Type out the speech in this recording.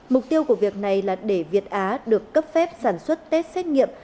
mục tiêu của việc này là để việt á được cấp phép sản xuất test xét nghiệm